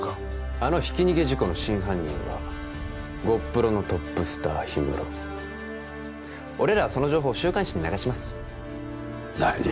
あのひき逃げ事故の真犯人はゴップロのトップスターヒムロ俺らはその情報週刊誌に流します何？